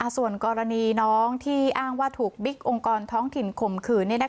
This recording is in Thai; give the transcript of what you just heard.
ส่วนกรณีน้องที่อ้างว่าถูกบิ๊กองค์กรท้องถิ่นข่มขืน